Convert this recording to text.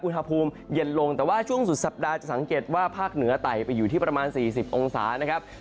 อุณหภูมิเย็นลงแต่ว่าช่วงสุดสัปดาห์จะสังเกตว่าภาคเหนือไต่ไปอยู่ที่ประมาณ๔๐องศานะครับ